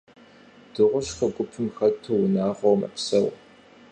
Дыгъужьхэр гупым хэту, унагъуэу мэпсэу.